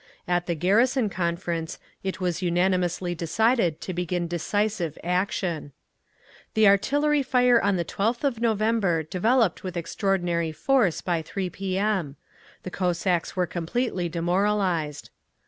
At the Garrison Conference it was unanimously decided to begin decisive action. The artillery fire on the 12th of November developed with extraordinary force by 3 P.M. The Cossacks were completely demoralised.